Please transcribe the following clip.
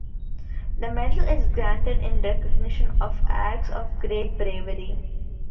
The medal is granted in recognition of "acts of great bravery".